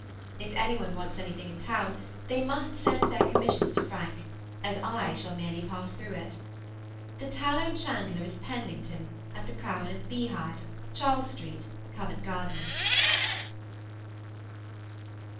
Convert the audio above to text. If any one wants anything in town, they must send their commissions to Frank, as I shall merely pass through it. The tallow chandler is Penlington, at the Crown and Beehive, Charles Street, Covent Garden.